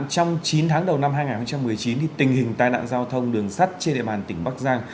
trong chín tháng đầu năm hai nghìn một mươi chín tình hình tai nạn giao thông đường sắt trên địa bàn tỉnh bắc giang